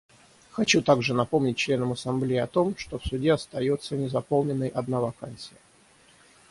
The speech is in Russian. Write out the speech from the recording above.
Хочу также напомнить членам Ассамблеи о том, что в Суде остается незаполненной одна вакансия.